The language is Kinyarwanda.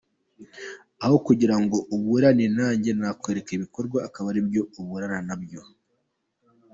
Aho kugira ngo uburane nanjye, nakwereka ibikorwa akaba ari byo uburana nabyo.